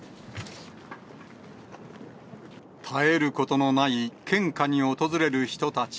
絶えることのない献花に訪れる人たち。